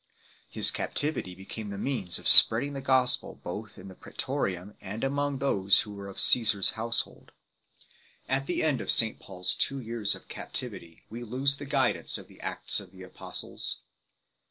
His captivity became the means of spreading the gospel both in the Prae torium and among "those that were of Caesar s household 3 ." At the end of St Paul s two years captivity we lose the guidance of the Acts of the Apostles.